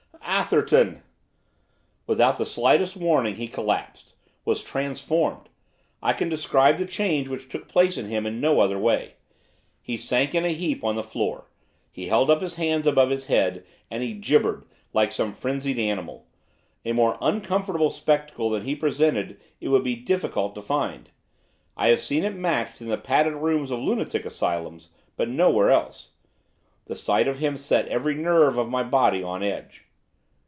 'Atherton!' Without the slightest warning, he collapsed, was transformed; I can describe the change which took place in him in no other way. He sank in a heap on the floor; he held up his hands above his head; and he gibbered, like some frenzied animal. A more uncomfortable spectacle than he presented it would be difficult to find. I have seen it matched in the padded rooms of lunatic asylums, but nowhere else. The sight of him set every nerve of my body on edge.